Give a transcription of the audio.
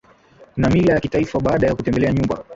na mila ya kitaifa baada ya kutembelea nyumba